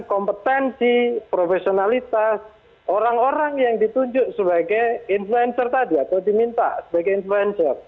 kompetensi profesionalitas orang orang yang ditunjuk sebagai influencer tadi atau diminta sebagai influencer